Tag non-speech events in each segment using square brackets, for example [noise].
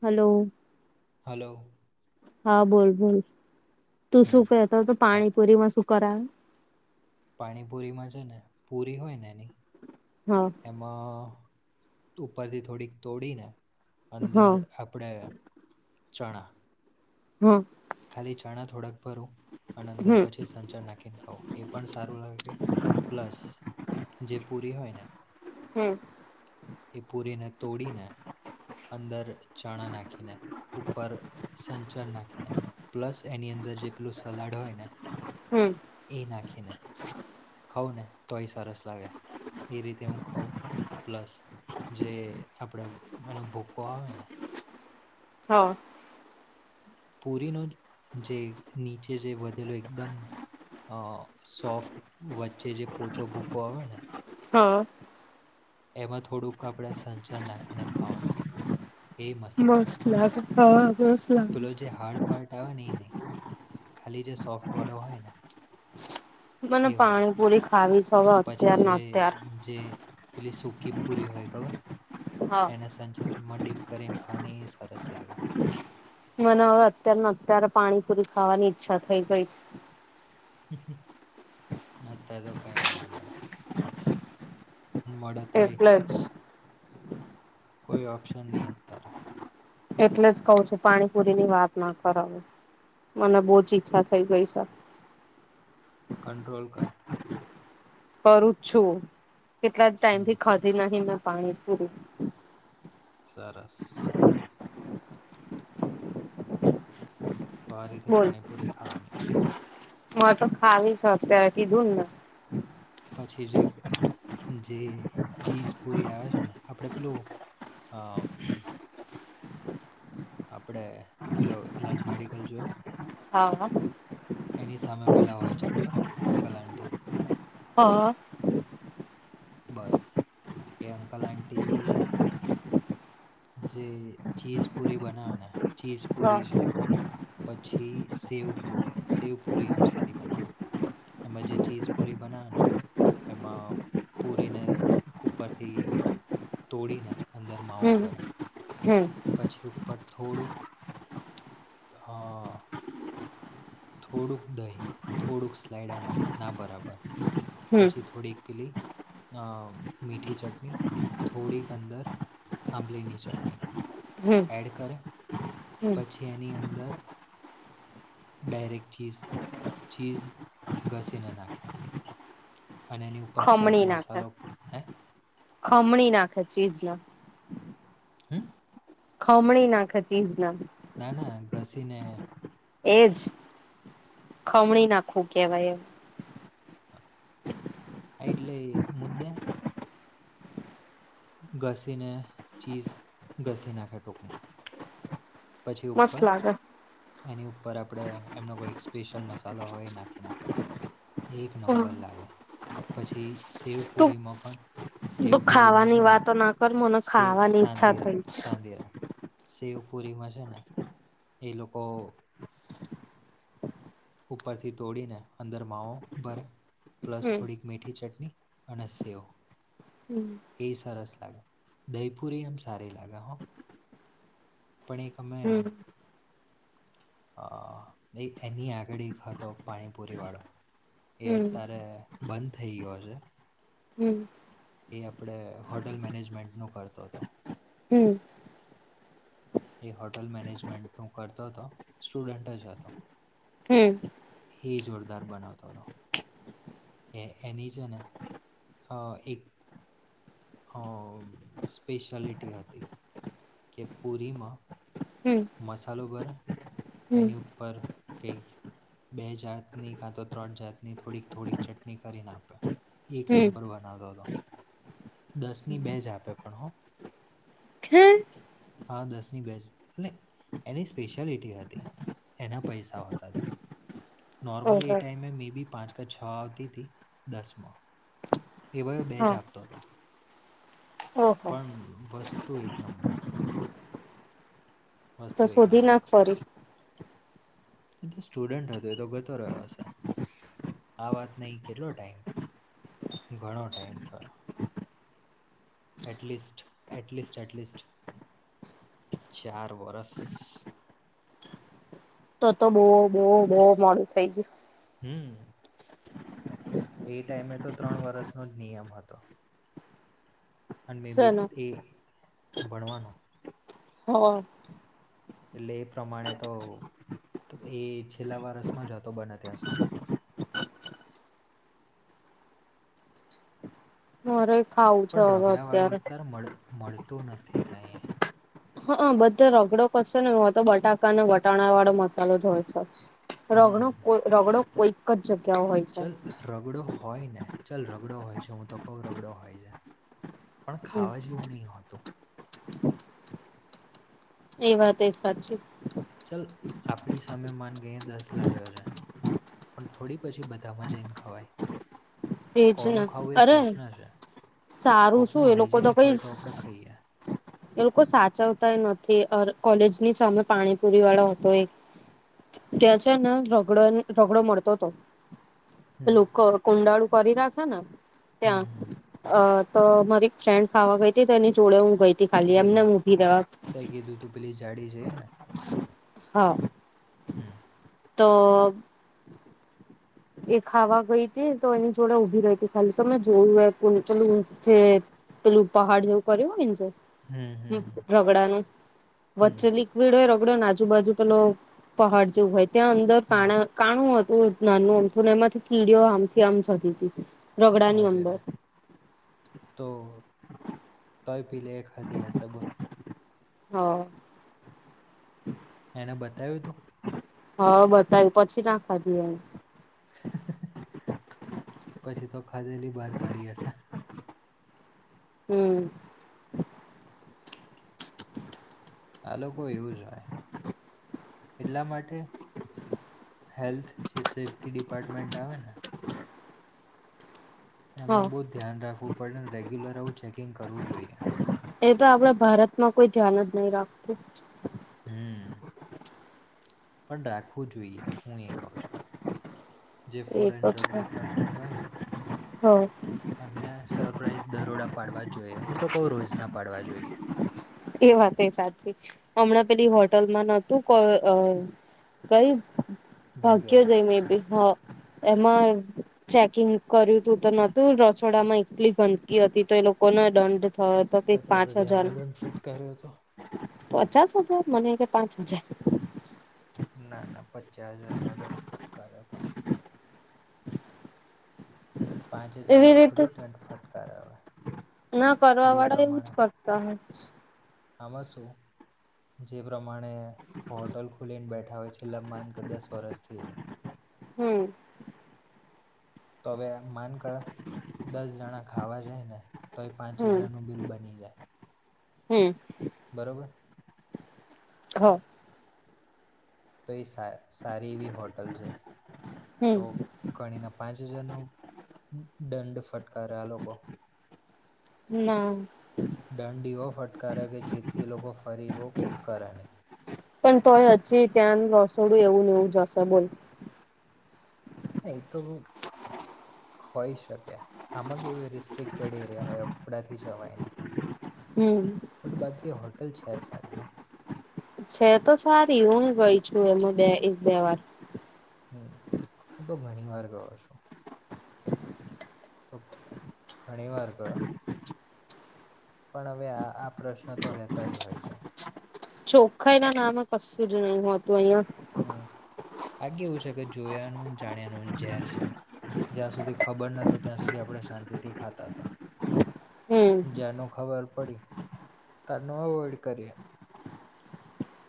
Hello. Hello. હા, બો-બોલ. તું હમ શું કહેતો હતો હા પાણીપુરીમાં શું કરા? પાણીપુરીમાં છે ને પુરી હોય ને એની હા. એમાં ઉપરથી થોડીક તોડીને અંદર હા આપ પણે ચણા હા. ખાલી ચણા થોડાક ભરું, અને અંદર હમ પછી સંચર નાખીને ખવા. એ પણ સારું લાગે, પ્લસ જે પૂરી હોય ને હમ્મ. ઈ પૂરીને તોડીને અંદર ચણા નાખીને, ઉપર સંચર નાખીને પ્લસ એની અંદર જે પેલું સલાડ હોય ને હમ્મ. એ નાખીને. ખવ ને તોય સરસ લાગે. ઈ રીતે હું ખઉં પ્લસ જે આપડે એનો ભૂકો આવે ને હા. પુરીનો જે નીચે જે વધેલો એકદમ અહ સોફ્ટ વચ્ચે જે પોચો ભૂકો આવે ને હા. એમાં થોડુંક આપણે સંચર નાખીને ખાવાનું. મસ્ત લાગે, હા મસ્ત પેલો જે હાર્ડ પાર્ટ આવે ને ઈ નહીં, ખાલી જે સોફ્ટ વાળો હોય ને. મને એ હોય પાણી પુરી ખાવી સવા. પછી જે જે પેલી સૂકી પૂરી હોય ખબર હા એના સંચર. મમાંડીપ કરીને ખાની સરસ લાગે. મને હવે અત્યાર અત્યારે પાણીપુરી ખાવાની ઈચ્છા થઈ ગઈ છે. અ તો કઈ ના મળે. હ મોડા છે તોય એટલે જ કોઈ ઓપ્શન નં અ ત્યારે. એટલે જ કહું છું પાણીપુરી ની વાત ના કર હ. મને બહુ જ ઈચ્છા થઈ ગઈ છે. કંટ્રોલ કર. કરું છું કેટલા જ ટાઈમ હમ, થી ખધી નહી મેં પાણી પૂરું. સરસ. તોરીને પાણી પૂરી ખાવાની. હ તો ખાવી છ અત્યારે કીધું ને. પછી જે જે ચીઝ પૂરી આવે છે ને આપણે પેલું. હા. આપણે પેલો ઈલાજ મેડિકલ જોયો. હા. એની સામે પિલા હોય છે ખબર અંકલ આંટી. હ. બસ એ અંકલ આટી. જે ચીઝ પુરી બનાવા ને ચીઝ પુરી છે. પછી સેવ પુરી સેવ પુરી આમ સારી બનાવે. એમાં જે ચીઝ પૂરી બનાવના. એમાં પૂરીને ઉપરથી. તોડીને અંદર માવો હમ ભરે. હમ. પછી ઉપર થોડુંક. હા. થોડુંક દહી થોડુંક સ્લાઈડ આમ ના બરાબર. પછી થોડીક પીલી. અ મીઠી ચટણી થોડીક અંદર આંબલીની ચટણી. હમ એડ કરે હમ પછી એની અંદર. બેર એક ચીઝ ચીઝ ઘસેને નાખેૈ. અને એની ઉપર ચાટ ખમણી નાખે મસાલો હે. ખમણી નાખે ચીજ ના. હમ. ખમણી નાખે ચીજ ના. ના ના ઘસી ને. એજ ખમણી નાખું કેહેવાય એ. હા એટલે મુદ્દા. ઘસેને ચીઝ ઘસેનાખ ટોકમાં. પછી મસ્ત ઉપર. લાગે એની ઉપર આપડે એમનો કોઈ સ્પેશિયલ મસાલો હોય એ નાખીને આપે. એક નંબર લાગે પછી તું શેવપુરીમાં પણ. તું શેવપુરીમાં છે ખાવાની ને વાતો ના કર મને શે ખાવાની ઈચ્છા સાંતિ થઈ રાખ છે. સાંતિ રાખ શેવુ. પુરીમાં છે ને એ લોકો. ઉપરથી તોડીને અંદર માવો ભરે. પ્લસ થોડીક મીઠી ચટણી અને સેવ. હમ એ સરસ લાગા દહીપૂરી હમ સાર લાગા હો. પણ એકમે. હમ અ એ એની આગળ હતો પાણીપુરી વાળો. એ હમ અત્યારે બંધ થઈ ગયો છે. હમ એ આપણે હોટલ મેનેજમેન્ટ નું કરતો હતો. હમ. એ હોટલ મેનેજમેન્ટ નું કરતો હતો સ્ટુડન્ટ જ હતો. હમ. એ જોરદાર બનાવતો હતો. એ એની જન અ એક. અ સ્પેશલિટી હતી. કે પૂરીમાં. હમ. મસાલો પરર હમ એની ઉપર કઈક. બે જાતની કાં તો ત્રણ જાતની થોડીક થોડીક ચટણી કરીને આપે. એક હમ નંબર બનાતો હતો દસની બે જ આપે પણ હો હમ. હા દસમી બેજ. ન એની સ્પેશિયાલિટી હતી એના પૈસાઓ હતા હતા. નોર્મલ એ ઓહો ટાાઈમ મે મેી બી પાંચ ક છ આવતીથી દસમાં. એ ભય બે હા જાગતો હતો. ઓહો પણ વસ્તુ એક નંબર. તો વસ્તુ એક શોધી નંબર નાખ ફરી. એ તો સ્ટુડન્ટ હતો એ તો ગતો રહ્યો હશે, આ વાત નઈ કેટલો ટાઈમ. ઘણો ટાઈમ થયો. એટલીસ્ટ એટલીસ્ટ એટલીસ્ટ ચાર વરસ. તો તો બહુ બહુ બહુ મોડું થઈ ગયું. હમ્મ! એ ટાઈઇમે તો ત્રણ વરષનો જ નિયમ હતો. અને મે શેનું બીથી ભણવાનો. હો. એટલે એ પ્રમાણે તો એ છેલ્લા વરસમાં જ હતો બને ત્યાં સુધી હરે પણ રગડાવાળું અત્યારે મળ મળતું નથી કાંઈએ. હા બધો રગડો કરશે ને હ તો બટાકા અને વટાણા વાળો મસાલો જ હોય છે. રગડો હમ કો રગડો કોઈક જ જગ્યા હોય છે. ચલ રગડો હોય ને ચાલ રગડો હોય છે, હું તો કહ રગડો હોય પણ હમ ખાવા જેવું નઈ હોતું. એ વાત એ સાચી. ચાલ આપણી સામે માન ગઈએ દસ લાર્યો છે પણ થોડી પછી બધામાં જઈન ખવાય. એજ ને, કોનું ખાવું એ અરે પ્રશ્ન છે સારું કોકનું શું એ લોકો તો હાઇજેનિક કઈ હોય આપણે ખાઈએ એ લોકો સાચવતાય નથી આર કોલે ની સામે પાણીપુરી વાળો હોતો એ ત્યાં છેને રગડો રગડો મળતો તો હમ લોકો કૂંડા કરી રાખે ને હમ ત્યાં હમ અ તો મારી એક ફ્રેન્ડ ખાવા ગઈ હતી તે એની જોડે હું ગઈ તી ખાલી પેલી એમને એમ મ ઉભી રેવા તે કીધું તું પેલી જાડી છે એ ને હા. હમ્મ! તો એ ખાવા ગઈ હતી તો એની જોડે ઊભી રહી હતી ખાલી તોમે જોયું કો પેલું જે પેલું પહાડ જેવું કર્યું હોય ને જે હમ હમ હમ રગડાનું હમ વચ્ચે લી વીડ હોય રગડ્યો આજુબાજુ પેલો પહાડ જેવું હોય ત્યાં અંદર હમ પાણાં કાણું હતું નાનું આમથું ને એમાંથી કીડીઓ આમથી આમ જતી હતી. રગડાની અરે અંદર રે તો તોય પીલે એ ખાધી હશે બોલ! હઅ. [inaudible] એને બતાયુતુ? હા બતાયુ પછી ના ખાધી એને પછી તો ખાધેલી બહાર કાઢી હશે. હમ્મ! આ લોકો એવું જ હોય. એટલા માટે, હેલ્થ જે સેફ્ટી ડિપાર્ટમેન્ટ આવે ને હા એમનું બહુ ધ્યાન રાખવું પડે અને રેગ્યુલર આવું ચેકિંગ કરવું જોઈએ. એ તો આપડે ભારતમાં કોઈ ધ્યાન જ નહીં રાખતું. હમ પણ રાખવું જોઈએ હું એ કઉ છું. જે એ ફૂડ તો એન્ડ ડ્રગ છે. ડિપાર્ટમેન્ટ હોય ને હ એમને સરપ્રાાઈઝ દરોડા પાડવા જોઈએ, હું તો કઉ રોજના પાડવા જોઈએ. એ વાત સાચી હમણાં પેલી હોટલ માં નતું કો અ કઈ ભાગ્યોદય મે બી હ એમાં ચેકિંગ કર્યું હતું તો નતું રસોડામાં એટલી ગંદકી હતી તો એ લોકોને દંડ થયો. તો તે પચાસ પાંચ હજાર હજારનો ફટકાર્યો છે. પચાસ હજાર મને એમ કે પાંચ હજાર ના ના પચાસ હજારનોો દંડ ફટકાર્યો હતો. પાંચ હજારનો એવી રીતે થોડી દંડ ફટકાર્યો હવે ના કરવા જે વાળા એવું પ્રમાણે જ કરતા હોય. આમાં શું જે પ્રમાણે હોટલ ખુલીને બેઠા હોય છેલ્લામાંન કે દસ વર્ષથી [inaudible] હમ [inaudible] તો હવે માનક દસ જણા ખાવા જાય ને તો એ પાંચ હમ હજારનું બિલ બની જાય હમ બરોબ હા તો એ સારી એવી હોટલ છે હમ તો કણી ના પાંચ હજારનો દંડ ફટકારે આ લોકો ના દંડ એવો ફટકાર્યા કે જેથી એ લોકો ફરી એવો કંઈ કરે નહીં. પણ તોય હજી ત્યાં રસોડું એવું ને એવું જશે બોલ એતો હોય શકે. આમાં કેવય રિસ્ટ્રિક્ટેડ એરિયા હોય અપડાથી જવાયને હમ [unintelligible] બટ બાકી હોટલ છે સારી હો છે તો સારી હું ગઈ છું એમ બે એક બે વાર હમ હું તો ઘણી વાર ગયો છું. તો ઘણી વાર ગયો- પણ હવે આ આ પ્રશ્ન તો રહેતા જ હોય છે. ચોખાઈ ના નામે કશું જ નહ હોતું અહિયાં હમ આગેવું છે કે જોયાનું જાણ્યાનું ઝેર છે. જ્યાં સુધી ખબર નતું ત્યાં સુધી આપણે શાંતિ થી ખાતા હતા. હમ જેનું ખબર પડી તેનો અવોઈડ કરીએ.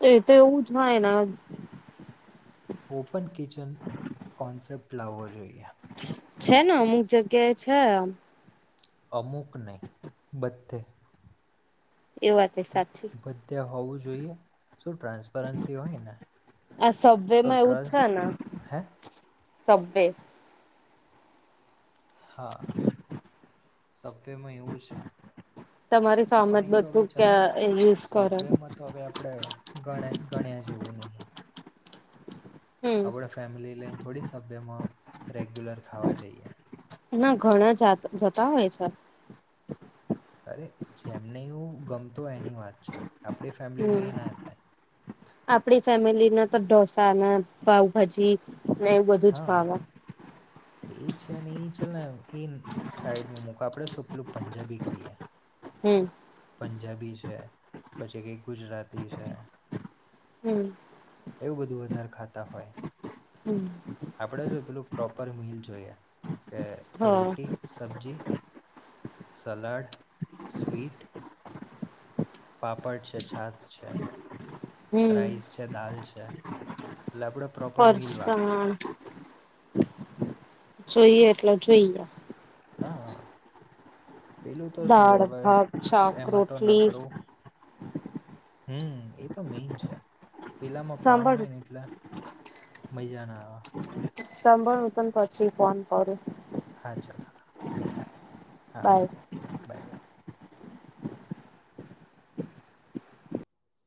એ તો એવું જ હોય ને ઓપન કિચન કોન્સેપ્ટ લાવવો જોઈએ છે ને અમુક જગ્યા એ છે. અમુક નહીં બધધે એ વાત એ સાચી બધ્યા હોવું જોઈએ શું ટ્રાન્સપરન્સી હોય ને આ સવે તો માં એવું જ ટ્રસ છે ને હે સે હા સભ્યમાં એવું છે. તમારી સામે જ પણ એ તો બધું ભાઈ કે ચલને યુઝ કરે સભ્ય મત તો હવે આપણે ગણ ગણ્યા જેવું નહીં હમ આપણે ફેમિલી લઈને થોડી સભ્યમાં રેગ્યુલર ખાવા જઈએ ના ઘણા જતા હોય છે. અરે જેમને હું ગમતોું હોય એની વાત છે આપણી ફેમિલીમાં હમ એ ના થાય આપડી ફેમિલી ના તો ઢોસા ના પાાવભાજી ને એવું બધું જ હા ભાવ એ છે એ ચાલ ને એ સાઈડ મક આપડે શું પેલું પંજાબી ખાઈએ હમ- પંજાબી છે પછી કઈ ગુજરાતી છે હ મ... એવું બધું વધારે ખાતા હોય. હ મ... આપણે શું પહેલું પ્રોપર મિલ જોઈએ. કે હા રોટી, સબ્જી, સલાડ, સ્વીટ. પાપડ છે, છાસ છે, હમ રાઈસ છે, દાળ છે. એટલે આપડે પ્રોપર મીલ વાળા. હં જોઈએ એટલે જોઈએ. હા અ. પેલું તો શું દાળ હવે? ભાત શાક એમાં તો રોટલી નકરું હમ એ તો મેૈન છે. પેલામાં પાંવ સાંભળ હોય ને એટલે. મજા ના આવે. સાંભળ હું તને પછી ફોન કરું. ભળ તો હા, ચાલ હા હા બાય મુકું બાય બાય.